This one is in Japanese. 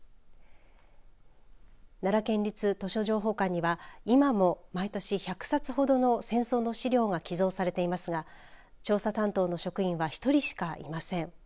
奈良県立図書情報館には今も毎年１００冊ほどの戦争の資料が寄贈されていますが調査担当の職員は１人しかいません。